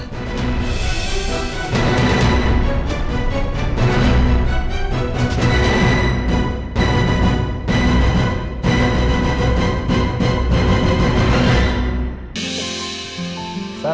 nungguin aja anak